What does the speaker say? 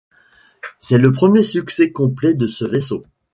C'est le premier succès complet de ce vaisseau.